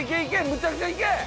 むちゃくちゃいけ！